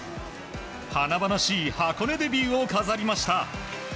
華々しい箱根デビューを飾りました。